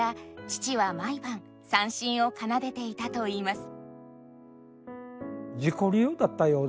父は毎晩三線を奏でていたといいます。